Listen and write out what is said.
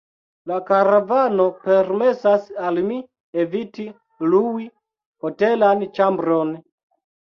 La karavano permesas al mi eviti lui hotelan ĉambron.